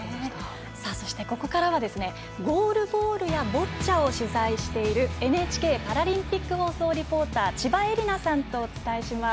そしてここからはゴールボールやボッチャを取材しているＮＨＫパラリンピック放送リポーター千葉絵里菜さんとお伝えします。